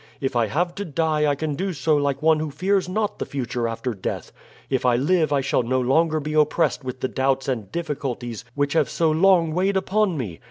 If I have to die I can do so like one who fears not the future after death. If I live I shall no longer be oppressed with the doubts and difficulties which have so long weighed upon me.